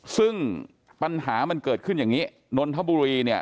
ซึ่งปัญหามันเกิดขึ้นอย่างนี้นนทบุรีเนี่ย